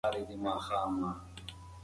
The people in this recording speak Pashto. ماشومانو ته د خپلې خاورې د دفاع درس ورکړئ.